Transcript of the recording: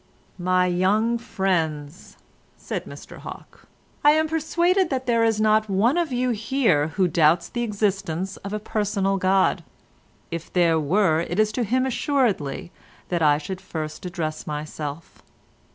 "My young friends," said Mr Hawke, "I am persuaded there is not one of you here who doubts the existence of a Personal God. If there were, it is to him assuredly that I should first address myself.